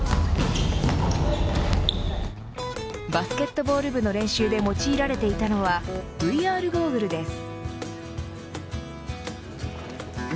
バスケットボール部の練習で用いられていたのはＶＲゴーグルです。